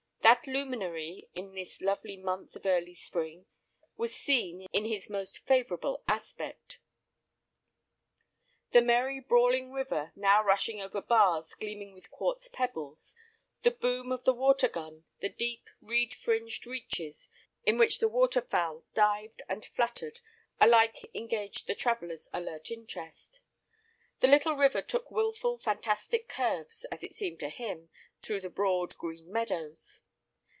That luminary in this lovely month of early spring was seen in his most favourable aspect. The merry, brawling river, now rushing over "bars" gleaming with quartz pebbles, the boom of the "water gun," the deep, reed fringed reaches, in which the water fowl dived and fluttered, alike engaged the traveller's alert interest. The little river took wilful, fantastic curves, as it seemed to him through the broad green meadows.